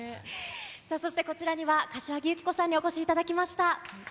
そしてこちらには、柏木由紀子さんにお越しいただきました。